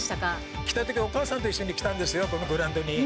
来たとき、お母さんと一緒に来たんですよ、このグラウンドに。